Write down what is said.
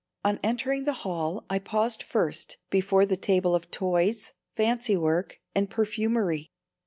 On entering the hall I paused first before the table of toys, fancy work and perfumery.